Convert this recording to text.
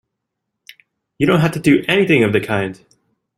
You don't have to do anything of the kind!